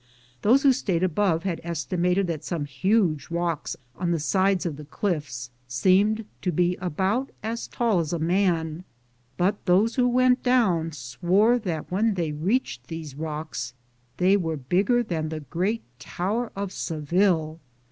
Those who stayed above had estimated that some huge rocks on the sides of the cliffs seemed to be about as tall as a man, but those who went down swore that when they reached these rocks they were fcigger than the great tower of Seville.